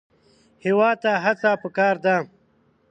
هېواد ته هڅه پکار ده